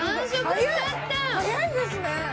早いですね！